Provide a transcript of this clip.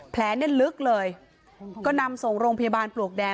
แผลเนี่ยลึกเลยก็นำส่งโรงพยาบาลปลวกแดง